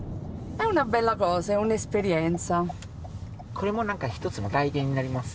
これも何か一つの体験になります。